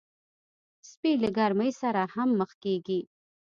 سپي له ګرمۍ سره هم مخ کېږي.